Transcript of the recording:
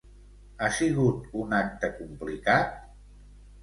Ha sigut un acte complicat?